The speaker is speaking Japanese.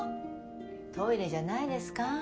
トイレじゃないですか？